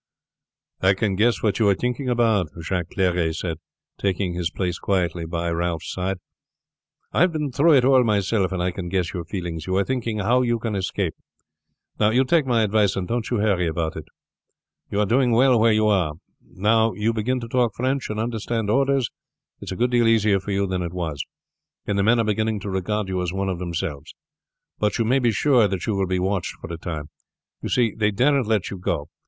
"I can guess what you are thinking about," Jacques Clery said, taking his place quietly by his side. "I have been through it all myself and I can guess your feelings. You are thinking how you can escape. Now, you take my advice and don't you hurry about it. You are doing well where you are. Now you begin to talk French and understand orders it's a good deal easier for you than it was, and the men are beginning to regard you as one of themselves; but you may be sure that you will be watched for a time. You see, they daren't let you go.